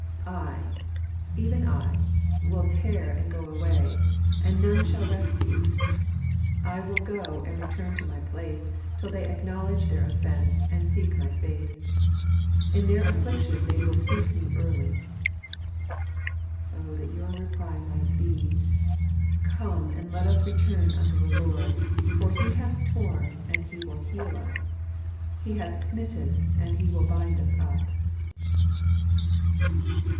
I, even I, will tear and go away ; and none shall rescue. I will go and return to my place, till they acknow ledge their offence, and seek my face ; in their affliction they will seek Me early." Oh that your reply might be !—" Come, and let us return unto the Lord ; for He hath tom, and He will heal us ; He hath smitten, and He will bind us up."